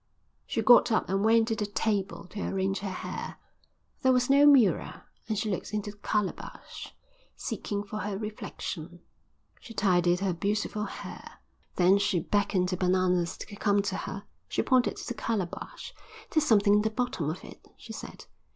She got up and went to the table to arrange her hair. There was no mirror and she looked into the calabash, seeking for her reflection. She tidied her beautiful hair. Then she beckoned to Bananas to come to her. She pointed to the calabash. "There's something in the bottom of it," she said.